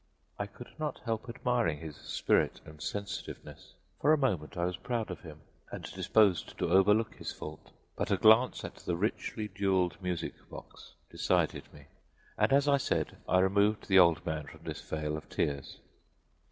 I could not help admiring his spirit and sensitiveness; for a moment I was proud of him and disposed to overlook his fault, but a glance at the richly jeweled music box decided me, and, as I said, I removed the old man from this vale of tears.